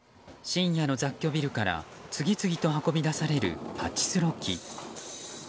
深夜の雑居ビルから次々と運び出される、パチスロ機。